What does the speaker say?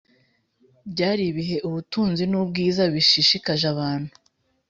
byari ibihe ubutunzi nubwiza bishishikaje abantu